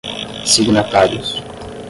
signatários